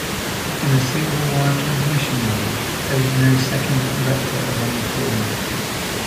In a single-wire transmission line there is no second conductor of any form.